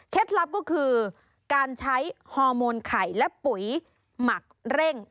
ลับก็คือการใช้ฮอร์โมนไข่และปุ๋ยหมักเร่ง